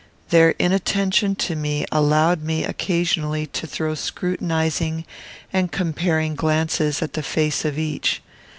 Their inattention to me allowed me occasionally to throw scrutinizing and comparing glances at the face of each.